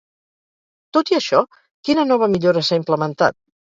Tot i això, quina nova millora s'ha implementat?